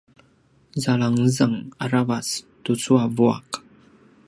zalangezang aravac tucu a vuaq